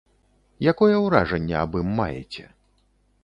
Якое ўражанне аб ім маеце?